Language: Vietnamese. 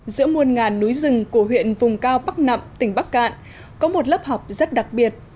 giữa muôn ngàn núi rừng của huyện vùng cao bắc nậm tỉnh bắc cạn có một lớp học rất đặc biệt